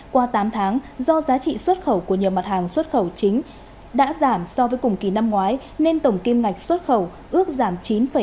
qua tám tháng do giá trị xuất khẩu của nhiều mặt hàng xuất khẩu chính đã giảm so với cùng kỳ năm ngoái nên tổng kim ngạch xuất khẩu ước giảm chín tám